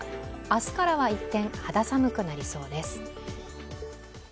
明日からは一転肌寒くなりそうです。